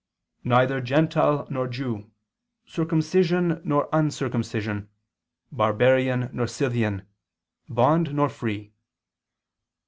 'Neither Gentile nor Jew, circumcision nor uncircumcision, Barbarian nor Scythian, bond nor free.'